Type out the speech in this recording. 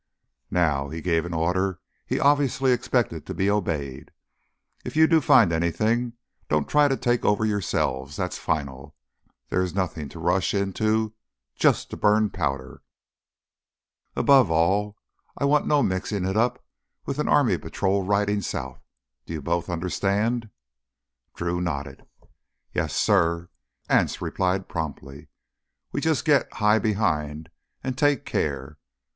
"Now"—he gave an order he obviously expected to be obeyed—"if you do find anything, don't try to take over yourselves. That's final. This is nothing to rush into just to burn powder. And above all I want no mixing it up with any army patrol riding south. Do you both understand?" Drew nodded. "Yes, suh," Anse replied promptly. "We jus' git high behind an' take care.